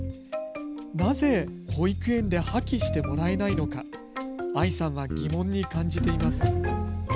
なぜ保育園で破棄してもらえないのか、あいさんは疑問に感じています。